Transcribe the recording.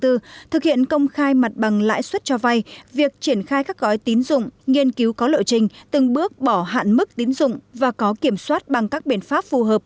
thực hiện công khai mặt bằng lãi suất cho vay việc triển khai các gói tín dụng nghiên cứu có lộ trình từng bước bỏ hạn mức tín dụng và có kiểm soát bằng các biện pháp phù hợp